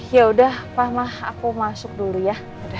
ya udah mama aku masuk dulu ya